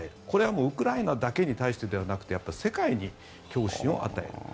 これはもうウクライナだけに対してではなくて世界に恐怖心を与える。